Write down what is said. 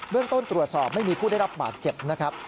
เรื่องต้นตรวจสอบไม่มีผู้ได้รับบาดเจ็บนะครับ